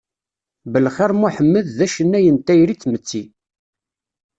Belxir Muḥemmed d acennay n tayri d tmetti.